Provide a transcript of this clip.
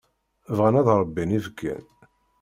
Bɣan ad ṛebbin ibekkan.